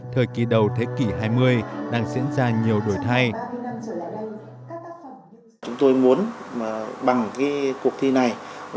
thời kỳ đầu thế kỷ hai mươi đang diễn ra nhiều đổi thay